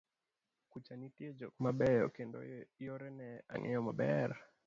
kucha nitie jok mabeyo, kendo yore ne ang'eyo maber